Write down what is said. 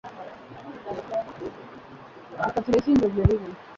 Reka tureke ngo ibyo bibe.